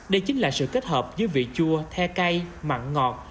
đây chính là sự kết hợp dưới vị chua the cay mặn ngọt